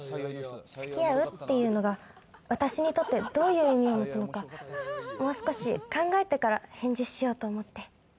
つきあうっていうのが私にとってどういう意味を持つのかもう少し考えてから返事しようと思って。